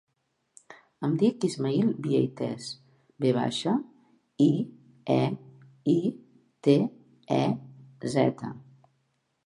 Em dic Ismaïl Vieitez: ve baixa, i, e, i, te, e, zeta.